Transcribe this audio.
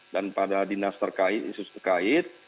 dan pada dinas terkait